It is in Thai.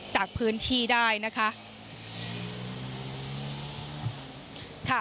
จากพื้นที่ได้นะคะ